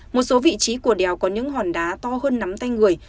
một số vị trí của đèo có những hòn đá to hơn nắm tay người